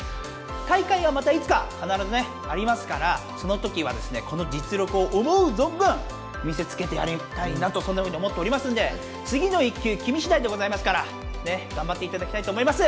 大会はまたいつかかならずありますからそのときはこの実力を思うぞんぶん見せつけてやりたいなと思っておりますんで「次の一球キミしだい」でございますからがんばっていただきたいと思います。